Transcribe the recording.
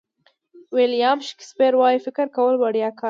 ویلیام شکسپیر وایي فکر کول وړیا کار دی.